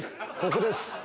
ここです。